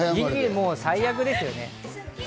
もう最悪ですよね。